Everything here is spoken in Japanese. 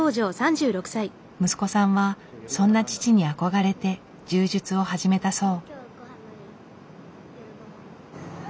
息子さんはそんな父に憧れて柔術を始めたそう。